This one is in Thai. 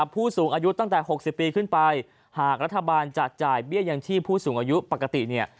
ผู้สูงอายุตั้งแต่๖๐ปีขึ้นไปหากรัฐบาลจะจ่ายเบี้ยยังชีพผู้สูงอายุปกติเนี่ย